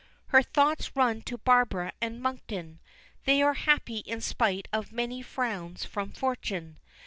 Her thoughts run to Barbara and Monkton. They are happy in spite of many frowns from fortune.